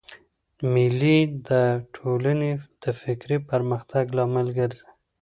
مېلې د ټولني د فکري پرمختګ لامل ګرځي.